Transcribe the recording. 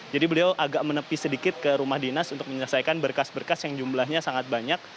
jadi beliau agak menepi sedikit ke rumah dinas untuk menyelesaikan berkas berkas yang jumlahnya sangat banyak